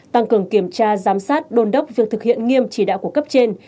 tăng cường kiểm tra giám sát đôn đốc việc thực hiện nghiêm chỉ đạo của cấp trên